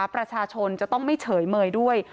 ประชาชนจะต้องไม่เฉยเมยด้วย